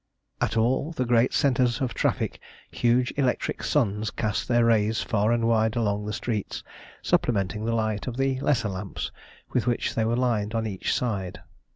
At all the great centres of traffic huge electric suns cast their rays far and wide along the streets, supplementing the light of the lesser lamps with which they were lined on each side.